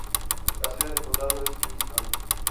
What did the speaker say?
La sede del condado es Kingston.